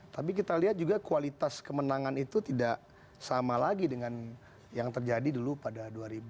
tapi kita lihat juga kualitas kemenangan itu tidak sama lagi dengan yang terjadi dulu pada dua ribu empat